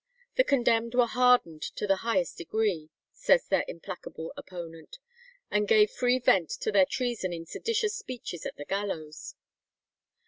The condemned were hardened to the highest degree, says their implacable opponent, and gave free vent to their treason in seditious speeches at the gallows.